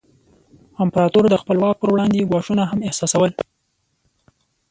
امپراتور د خپل واک پر وړاندې ګواښونه هم احساسول.